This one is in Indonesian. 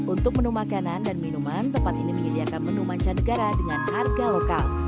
untuk menu makanan dan minuman tempat ini menyediakan menu mancanegara dengan harga lokal